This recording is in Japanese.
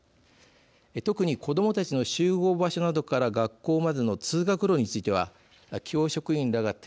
特に子どもたちの集合場所などから学校までの通学路については教職員らが点検して回りました。